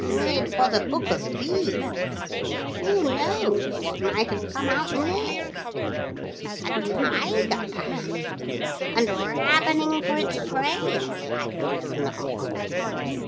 'It was a book of beasts. Who knows what might have come out next? A tiger perhaps. And ravening for its prey as likely as not.'